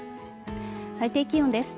最低気温です。